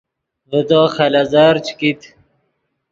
ڤے تو خلیزر چے کیت